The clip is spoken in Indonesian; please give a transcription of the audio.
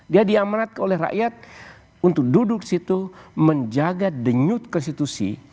dia diamanatkan oleh rakyat untuk duduk di situ menjaga denyut konstitusi